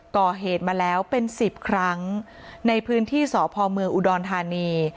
ก่อเหตุมาแล้วเป็นสิบครั้งในพื้นที่สพเมืองอุดรธานี